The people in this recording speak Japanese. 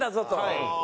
はい。